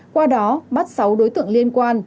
qua đó bắt sáu đối tượng liên quan